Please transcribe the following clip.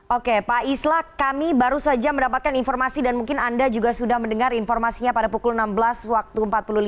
oke pak islah kami baru saja mendapatkan informasi dan mungkin anda juga sudah mendengar informasinya pada pukul enam belas waktu empat puluh lima